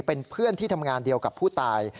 เป็นเพื่อนที่ทำงานเดียวกับผู้ตาย